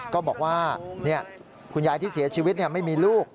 ก็บอกว่าคุณยายที่เสียชีวิตไม่มีลูก